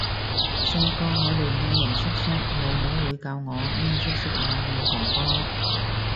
細個我亂嗌人叔叔，老母會教我咩叔叔啊！嗌哥哥！